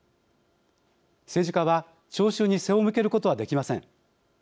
政治家は聴衆に背を向けることはできません。